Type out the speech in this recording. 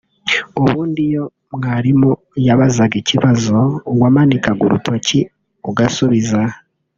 ubundi iyo mwarimu yabazaga ikibazo wamanikaga urutoki ugasubiza